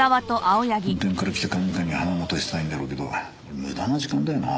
本店から来た管理官に花持たせたいんだろうけど無駄な時間だよな。